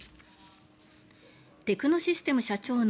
テクノシステム社長の